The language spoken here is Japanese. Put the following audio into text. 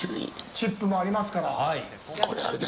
チップもありますから。